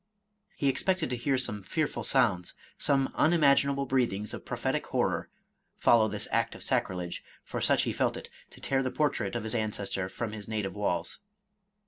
He expected to hear some fearful sounds, some unimaginable breathings of prophetic horror, follow this act of sacrilege, for such he felt it, to tear the portrait of his ancestor from his native walls.